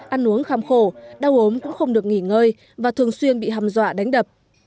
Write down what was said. ăn uống kham khổ đau ốm cũng không được nghỉ ngơi và thường xuyên bị hầm dọa đánh đập